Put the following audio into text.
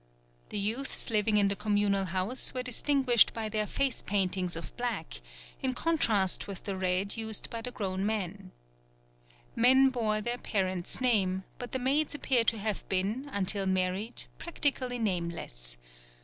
The youths living in the communal house were distinguished by their face paintings of black, in contrast with the red used by the grown men. Men bore their parents' name; but the maids appear to have been, until married, practically nameless.